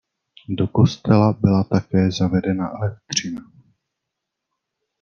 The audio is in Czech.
Do kostela byla také zavedena elektřina.